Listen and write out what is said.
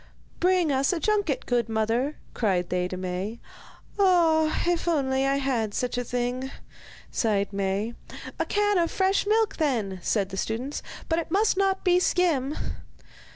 'Bring us a junket, good mother,' cried they to Maie. 'Ah! if only I had such a thing!' sighed Maie. 'A can of fresh milk, then,' said the students; 'but it must not be skim.